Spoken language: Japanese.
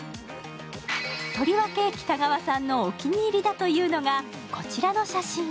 とりわけ北川さんのお気に入りだというのがこちらの写真。